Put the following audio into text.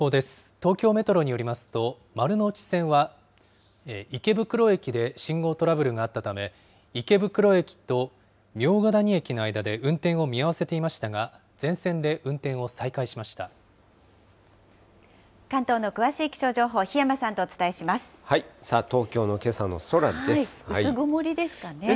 東京メトロによりますと、丸ノ内線は池袋駅で信号トラブルがあったため、池袋駅と茗荷谷駅の間で運転を見合わせていましたが、関東の詳しい気象情報、東京のけさの空です。ですね。